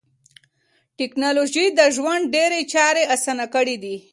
ټکنالوژي د ژوند ډېری چارې اسانه کړې دي.